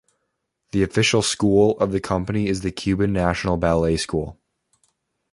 The official school of the company is the Cuban National Ballet School.